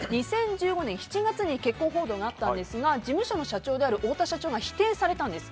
２０１５年７月に結婚報道があったんですが事務所の社長である太田社長が否定されたんです。